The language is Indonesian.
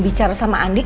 bicara sama andin